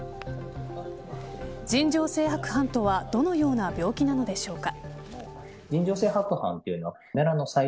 尋常性白斑とはどのような病気なのでしょうか。